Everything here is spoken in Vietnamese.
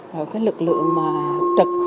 rồi cái lực lượng trực